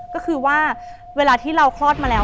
ก็คือว่าเวลาที่เราคลอดมาแล้ว